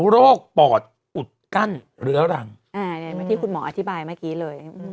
ปอดอุดกั้นเรื้อรังเหมือนที่คุณหมออธิบายเมื่อกี้เลย